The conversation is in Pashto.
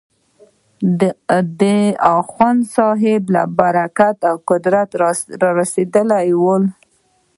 د اخوندصاحب له برکته قدرت ته رسېدلي ول.